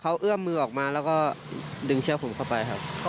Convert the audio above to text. เขาเอื้อมมือออกมาแล้วก็ดึงเชือกผมเข้าไปครับ